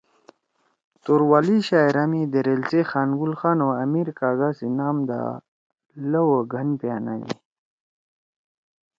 توروالی شاعرا می دیریل سی خان گل خان او آمیر کاگا سی نام دا لؤ او گھن پیِاندی۔